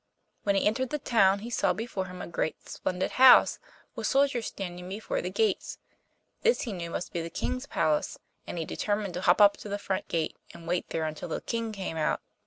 When he entered the town he saw before him a great splendid house, with soldiers standing before the gates. This he knew must be the King's palace, and he determined to hop up to the front gate and wait there until the King came out.